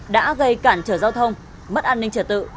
đã gây cản trở giao thông mất an ninh trật tự